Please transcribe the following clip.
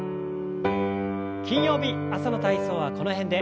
金曜日朝の体操はこの辺で。